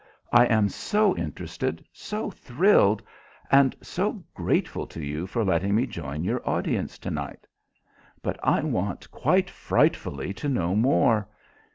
"I am so interested, so thrilled and so grateful to you for letting me join your audience to night. But I want quite frightfully to know more.